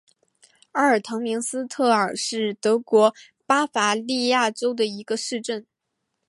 阿尔滕明斯特尔是德国巴伐利亚州的一个市镇。